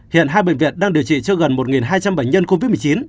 hiện hai bệnh viện đang điều trị cho gần một hai trăm linh bệnh nhân covid một mươi chín